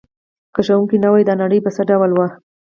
که ښوونکی نه وای دا نړۍ به څه ډول وه؟